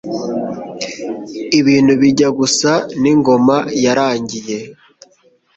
ibintu bijya gusa n'ingoma yarangiye,